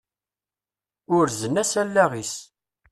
Urzen-as allaɣ-is.